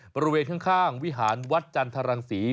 บริเวณข้างวิหารวัดจันทรังศรี